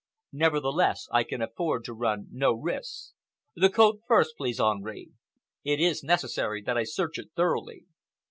Nevertheless, I can afford to run no risks. The coat first, please, Henri. It is necessary that I search it thoroughly."